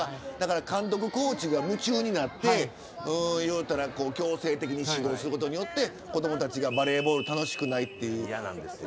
監督、コーチが夢中になって強制的に指導することによって子どもたちがバレーボールが楽しくないとなる。